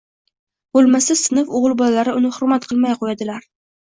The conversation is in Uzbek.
bo‘lmasa sinf o‘g‘il bolalari uni hurmat qilmay qo‘yadilar.